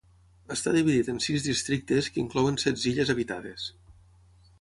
Està dividit en sis districtes que inclouen setze illes habitades.